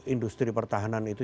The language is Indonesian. industri pertahanan itu